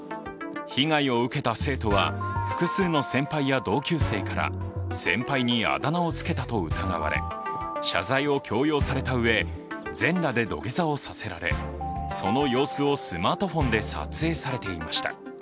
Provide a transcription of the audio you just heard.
被害を受けた生徒は複数の先輩や同級生から先輩にあだ名をつけたと疑われ、謝罪を強要されたうえ、全裸で土下座をさせられ、その様子をスマートフォンで撮影されていました。